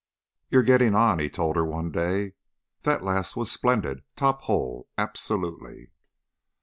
"You're getting on," he told her, one day. "That last was splendid top hole, absolutely."